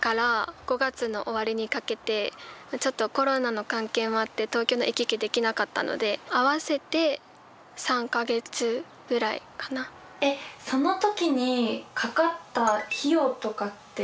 ちょっとコロナの関係もあって東京の行き来できなかったので合わせてえっその時にかかった費用とかって？